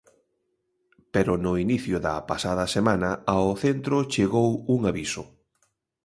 Pero no inicio da pasada semana ao centro chegou un aviso.